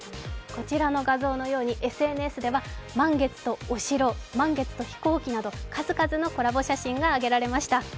こちらの画像のようにＳＮＳでは満月とお城、満月と飛行機など数々のコラボ写真が上げられました。